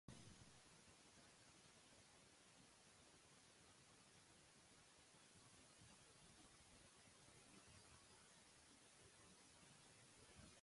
Atlantis is ruled by the beautiful and intelligent Empress Salustra.